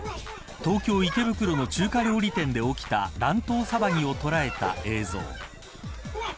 東京、池袋の中華料理店で起きた乱闘騒ぎを捉えた映像。